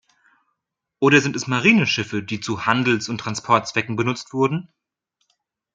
Oder sind es Marineschiffe, die zu Handels- und Transportzwecken benutzt wurden?